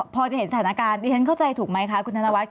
พอจะเห็นสถานการณ์ดิฉันเข้าใจถูกไหมคะคุณธนวัฒ